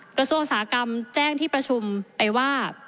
กระทรวงอุตสาหกรรมแจ้งที่ประชุมไปว่า